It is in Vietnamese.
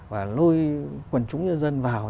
và lôi quần chúng nhân dân vào